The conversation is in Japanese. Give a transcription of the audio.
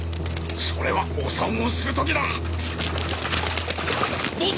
それはお産をする時だ！坊主！